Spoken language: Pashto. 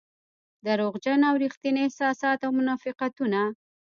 دروغجن او رښتيني احساسات او منافقتونه.